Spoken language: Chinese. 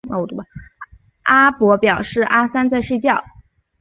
阿伯表示阿三在睡觉